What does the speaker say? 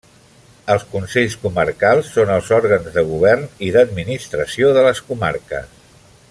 Els consells comarcals són els òrgans de govern i d'administració de les comarques.